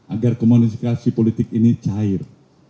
agar komunikasi politik ini cair